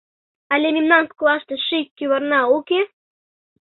Але мемнан коклаште ший кӱварна уке?